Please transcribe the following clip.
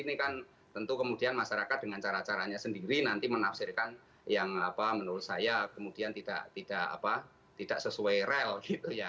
ini kan tentu kemudian masyarakat dengan cara caranya sendiri nanti menafsirkan yang apa menurut saya kemudian tidak sesuai rel gitu ya